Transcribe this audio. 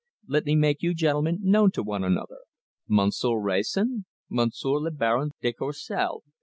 Let me make you gentlemen known to one another, Monsieur Wrayson, Monsieur le Baron de Courcelles.